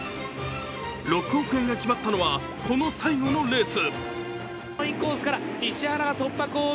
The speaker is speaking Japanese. ６億円が決まったのは、この最後のレース。